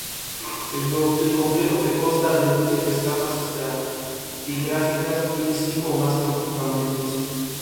Gustavo, el hermano del presidente, advierte a su hermano que no confía en Huerta.